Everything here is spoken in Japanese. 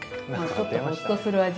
ちょっとほっとする味？